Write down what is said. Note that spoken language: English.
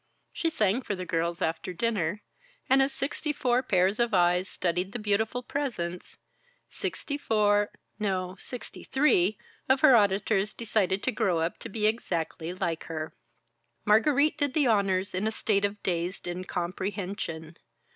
She sang for the girls after dinner, and as sixty four pairs of eyes studied the beautiful presence, sixty four no, sixty three of her auditors decided to grow up to be exactly like her. Margarite did the honors in a state of dazed incomprehension.